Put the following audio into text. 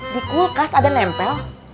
dikulkas ada nempel